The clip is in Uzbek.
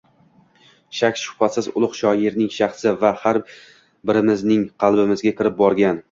Shak-shubhasiz, ulug‘ shoirning shaxsi va har birimizning qalbimizga kirib brogan.